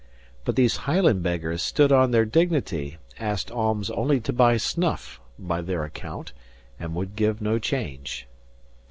But these Highland beggars stood on their dignity, asked alms only to buy snuff (by their account) and would give no change.